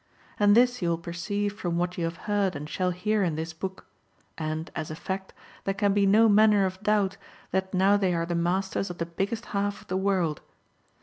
And this you will perceive from what you have heard and shall hear in this book ; and (as a fact) there can be no manner of doubt that now they are the masters of the biggest half of the world.